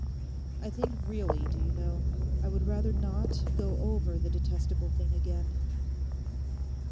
'I think really, do you know, I would rather not go over the detestable thing again.